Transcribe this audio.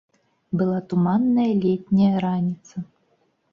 Была туманная летняя раніца.